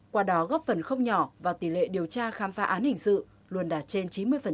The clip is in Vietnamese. qua đó góp phần không nhỏ vào tỷ lệ điều tra khám phá án hình sự luôn đạt trên chín mươi